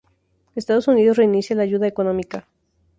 Estados Unidos reinicia la ayuda económica.